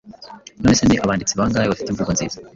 None se ni abanditsi bangahe bafite imvugo nziza,